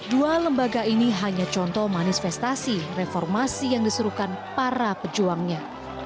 dua lembaga ini hanya contoh manifestasi reformasi yang disuruhkan para pejuangnya